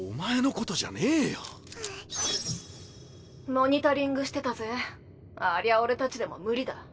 モニタリングしてたぜありゃ俺たちでも無理だ。